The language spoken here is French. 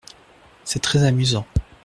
C’est très amusant.